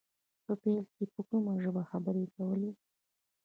په پيل کې يې په کومه ژبه خبرې کولې.